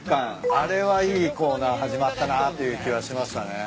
あれはいいコーナー始まったなっていう気はしましたね。